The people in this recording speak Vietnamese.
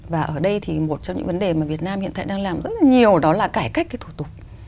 và ở đây thì một trong những vấn đề mà việt nam hiện tại đang làm rất là nhiều đó là cải cách cái thủ tục